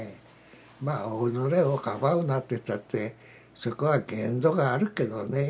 まあ「己をかばうな」と言ったってそこは限度があるけどね。